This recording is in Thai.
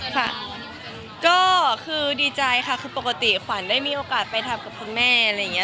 ค่ะก็คือดีใจค่ะคือปกติขวัญได้มีโอกาสไปทำกับคุณแม่อะไรอย่างนี้